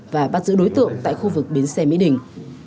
và bắt giữ đối tượng tại khu vực bến xe mỹ đình